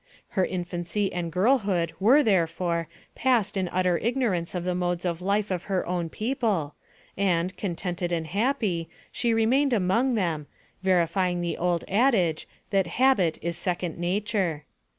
Her infancy and girlhood were, therefore, passed in utter ignorance of the modes of life of her own people, and, contented and happy, she remained among them, verifying the old adage, that " habit is second nature."